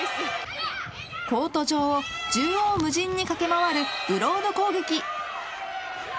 コート上を縦横無尽に駆け回るブロード攻撃。